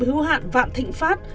hưu hạn vạn thịnh pháp